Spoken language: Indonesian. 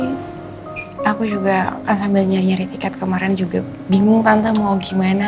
dan aku juga kan sambil nyari nyari tiket kemarin juga bingung tante mau gimana